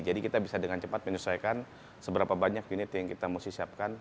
jadi kita bisa dengan cepat menyesuaikan seberapa banyak unit yang kita mesti siapkan